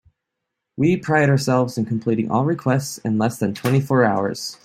We pride ourselves in completing all requests in less than twenty four hours.